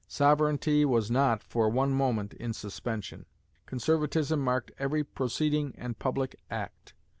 Sovereignty was not, for one moment, in suspension. Conservatism marked every proceeding and public act.